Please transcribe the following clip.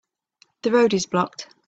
The road is blocked.